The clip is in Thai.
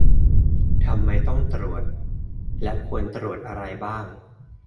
ทำไมต้องตรวจ และควรตรวจอะไรบ้าง